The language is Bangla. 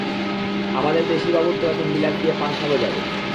আমাদের দেশিবাবুর তো এখন বিলাত গিয়ে পাঙ্খা গজাবে!